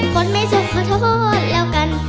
คนไม่สุขขอโทษแล้วกัน